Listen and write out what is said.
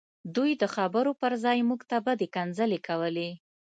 دوی د خبرو پرځای موږ ته بدې کنځلې کولې